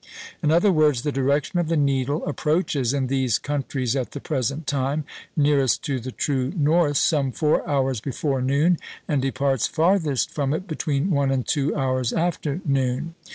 In other words, the direction of the needle approaches (in these countries at the present time) nearest to the true north some four hours before noon, and departs farthest from it between one and two hours after noon.